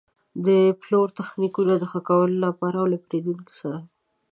د پلور د تخنیکونو د ښه کولو لپاره او له پېرېدونکو سره.